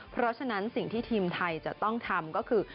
เพราะฉะนั้นสิ่งที่ทีมไทยจะต้องทำก็คือ